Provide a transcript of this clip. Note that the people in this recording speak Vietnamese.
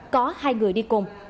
có hai người đi cùng